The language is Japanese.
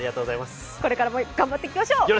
これからも頑張っていきましょう！